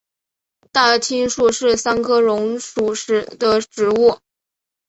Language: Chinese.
大青树是桑科榕属的植物。